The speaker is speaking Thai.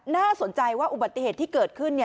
น่าสนใจว่าอุบัติเหตุที่เกิดขึ้น